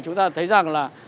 chúng ta thấy rằng là